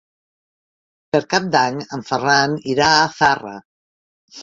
Per Cap d'Any en Ferran irà a Zarra.